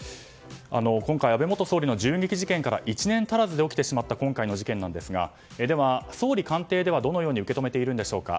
今回、安倍元総理の銃撃事件から１年足らずで起きてしまった今回の事件なんですがでは、総理官邸ではどのように受け止めているんでしょうか。